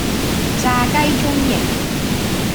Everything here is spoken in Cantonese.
炸雞中翼